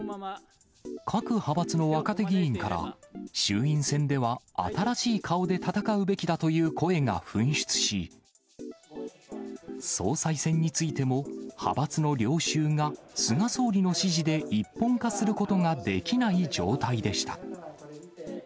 各派閥の若手議員から、衆院選では新しい顔で戦うべきだという声が噴出し、総裁選についても、派閥の領袖が菅総理の支持で一本化することができない状態でした。